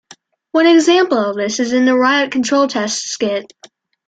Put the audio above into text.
One example of this is in the "Riot Control Test" skit.